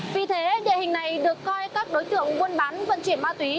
vì thế địa hình này được coi các đối tượng buôn bán vận chuyển ma túy